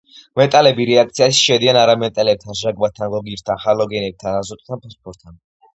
მეტალები რეაქციაში შედიან არამეტალებთან: ჟანგბადთან, გოგირდთან, ჰალოგენებთან, აზოტთან, ფოსფორთან.